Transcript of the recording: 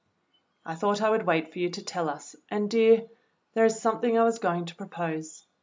"I thought I would wait for you to tell us, and, dear, there is something I was going to propose.